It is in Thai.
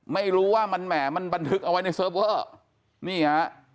ไม่รู้ว่ามันแหมมันบันทึกเอาไว้ในเซิร์ฟเวอร์นี่ฮะ